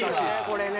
これね